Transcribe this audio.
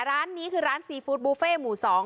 ร้านนี้คือร้านซีฟู้ดบูเฟ่หมู่๒